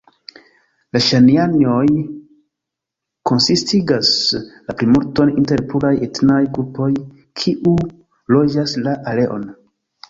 La Ŝanianjoj konsistigas la plimulton inter pluraj etnaj grupoj kiu loĝas la areon.